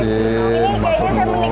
terima kasih mbak faisi